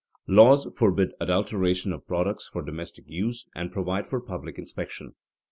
_Laws forbid adulteration of products for domestic use and provide for public inspection.